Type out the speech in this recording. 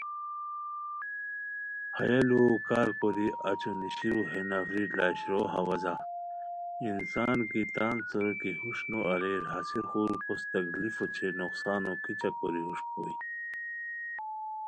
ہیہ لُوؤ کارکوری اچو نیشیرو ہےنفری لش رو ہوازا "انسان کی تان سورو کی ہوݰ نو اریر ہسےخور کوس تکلیفو اوچے نقصانو کیچہ کوری ہوݰ کوئے